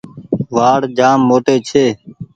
وآڙ جآم موٽي ڇي ۔